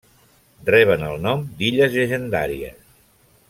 Reben el nom d'illes llegendàries.